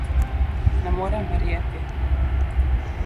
Ne morem verjeti.